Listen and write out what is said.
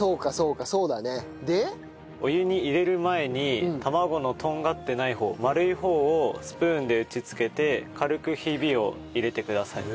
お湯に入れる前に卵のとんがってない方丸い方をスプーンで打ちつけて軽くヒビを入れてください。